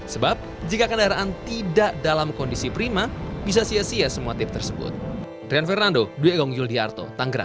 sebab jika kendaraan tidak dalam kondisi prima bisa sia sia semua tip tersebut